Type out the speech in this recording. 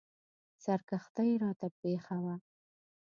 سرګښتۍ راته پېښه وه.